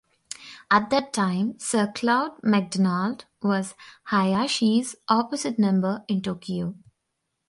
At that time Sir Claude MacDonald was Hayashi's opposite number in Tokyo.